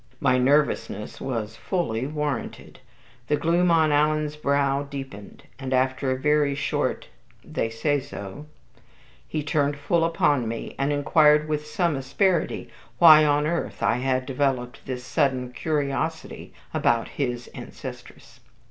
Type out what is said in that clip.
My nervousness was fully warranted. The gloom on Alan's brow deepened, and after a very short "They say so" he turned full upon me, and inquired with some asperity why on earth I had developed this sudden curiosity about his ancestress.